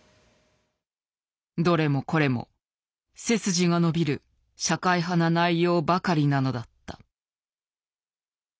どれもこれも背筋が伸びる社会派な内容ばかりなのだった。